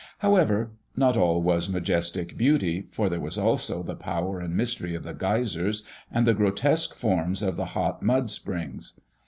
However, not all was majestic beauty, for there was also the power and mystery of the geysers, and the grotesque forms of the hot mud springs.